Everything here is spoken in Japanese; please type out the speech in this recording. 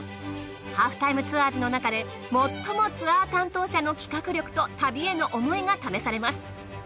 『ハーフタイムツアーズ』のなかでもっともツアー担当者の企画力と旅への思いが試されます。